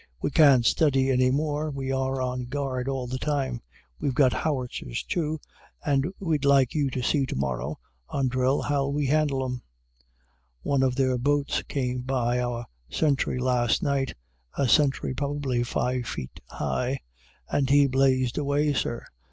"We can't study any more. We are on guard all the time. We've got howitzers, too, and we'd like you to see, to morrow, on drill, how we can handle 'em. One of their boats came by our sentry last night," (a sentry probably five feet high), "and he blazed away, Sir.